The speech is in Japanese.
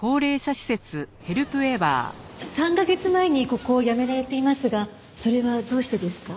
３カ月前にここを辞められていますがそれはどうしてですか？